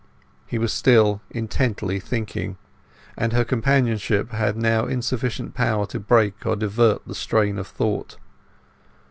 He was still intently thinking, and her companionship had now insufficient power to break or divert the strain of thought.